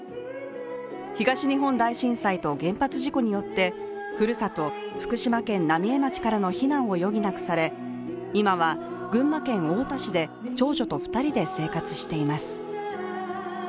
東日本大震災と原発事故によってふるさと・福島県浪江町からの避難を余儀なくされ今は群馬県太田市で長女と２人で生活しています。